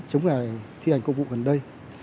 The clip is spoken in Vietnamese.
chống gây thi hành công vụ gần đây